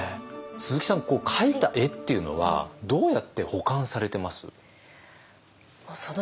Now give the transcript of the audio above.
鈴木さん描いた絵っていうのはどうやって保管されてます？